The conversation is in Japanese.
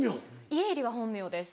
家入は本名です。